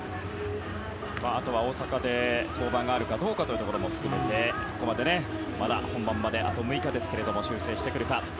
あとは、大阪で登板があるかどうかも含めてまだ本番まであと６日ですが修正してくるか。